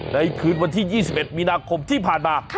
คืนวันที่๒๑มีนาคมที่ผ่านมา